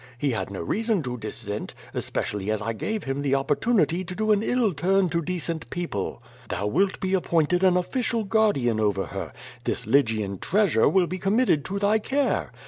He had no reason to dissent, especially as 1 gave him the opportunity to do an ill turn to decent people. Thou wilt be appointed an official guardian over her. This Lygian treasure will be committed to thy care.